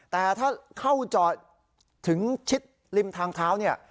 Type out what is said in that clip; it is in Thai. แต่ถ้าเข้าจอดถึงชิดริมทางเท้าเนี่ย